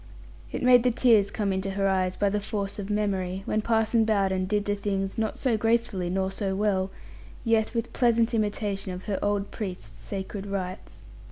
It made the tears come into her eyes, by the force of memory, when Parson Bowden did the things, not so gracefully nor so well, yet with pleasant imitation of her old Priest's sacred rites.